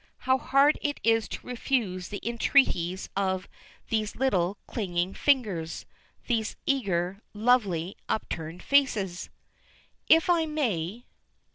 How hard it is to refuse the entreaties of these little clinging fingers these eager, lovely, upturned faces! "If I may